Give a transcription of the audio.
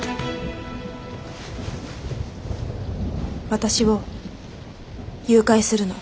私を誘拐するの。